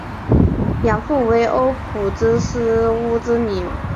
养父为欧普之狮乌兹米。